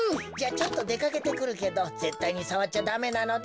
ちょっとでかけてくるけどぜったいにさわっちゃダメなのだ。